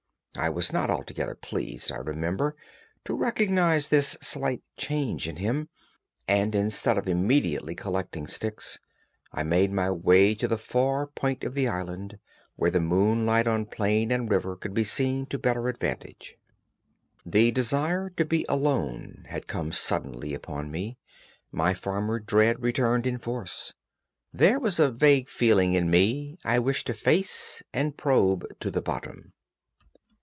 I was not altogether pleased, I remember, to recognize this slight change in him, and instead of immediately collecting sticks, I made my way to the far point of the island where the moonlight on plain and river could be seen to better advantage. The desire to be alone had come suddenly upon me; my former dread returned in force; there was a vague feeling in me I wished to face and probe to the bottom.